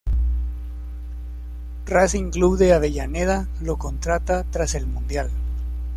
Racing Club de Avellaneda lo contrata tras el Mundial.